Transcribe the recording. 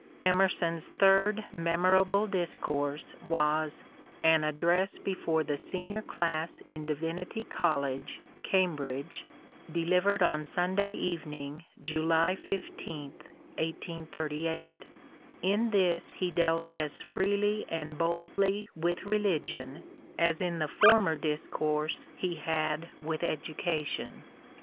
Emerson's third memorable discourse was " An Address before the Senior Class in Divinity College, Cambridge," delivered on Sunday even ing, July 15, 1838. In this he dealt as freely and boldly with religion as in the former discourse he had with education.